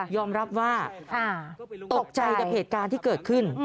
รับว่าตกใจกับเหตุการณ์ที่เกิดขึ้น